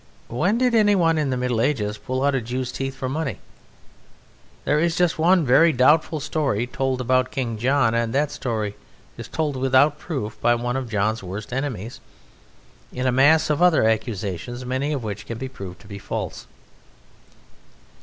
When did anyone in the Middle Ages pull out a Jew's teeth for money? There is just one very doubtful story told about King John, and that story is told without proof by one of John's worst enemies, in a mass of other accusations many of which can be proved to be false.